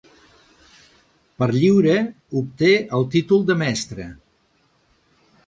Per lliure obté el títol de mestre.